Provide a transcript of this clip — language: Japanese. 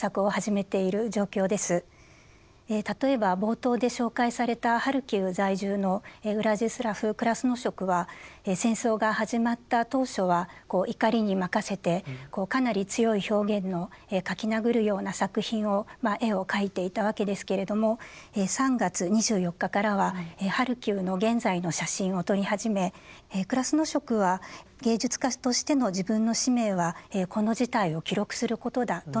例えば冒頭で紹介されたハルキウ在住のウラジスラフ・クラスノショクは戦争が始まった当初は怒りに任せてかなり強い表現の描き殴るような作品をまあ絵を描いていたわけですけれども３月２４日からはハルキウの現在の写真を撮り始めクラスノショクは芸術家としての自分の使命はこの事態を記録することだと述べています。